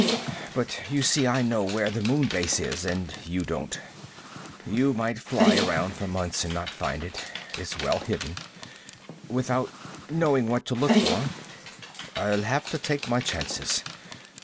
But you see, I know where the Moon Base is. And you don't. You might fly around for months and not find it. It's well hidden. Without knowing what to look for " "I'll have to take my chances.